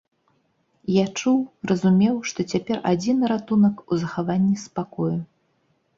Я чуў, разумеў, што цяпер адзіны ратунак у захаванні спакою.